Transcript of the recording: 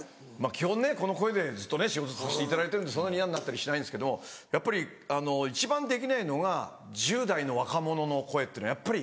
基本この声でずっと仕事させていただいてるんでそんなにイヤになったりしないんですけど一番できないのが１０代の若者の声っていうのはやっぱり。